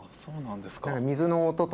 そうなんですか。